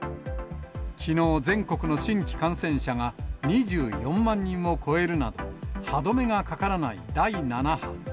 きのう、全国の新規感染者が２４万人を超えるなど、歯止めがかからない第７波。